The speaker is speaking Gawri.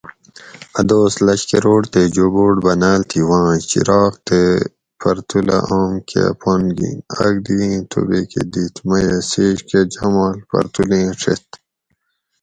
ا دوس لشکروٹ تے جوبوٹ بنال تھی وانش چراغ تے پرتولہ اوم کہ پن گین آکدیں توبیکہ دیت میہ سیچ کہ جاماڷ پرتولیں ڛیت